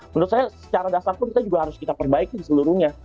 menurut saya secara dasar pun kita juga harus kita perbaiki seluruhnya